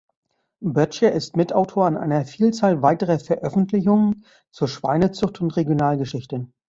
Boettcher ist Mitautor an einer Vielzahl weiterer Veröffentlichungen zur Schweinezucht und Regionalgeschichte.